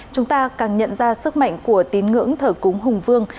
chúng ta càng nhận ra sức mạnh của tín ngưỡng thờ cúng hùng vương